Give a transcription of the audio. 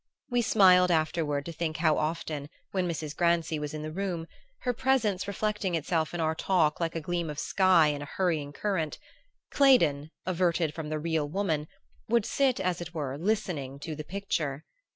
We smiled afterward to think how often, when Mrs. Grancy was in the room, her presence reflecting itself in our talk like a gleam of sky in a hurrying current, Claydon, averted from the real woman, would sit as it were listening to the picture.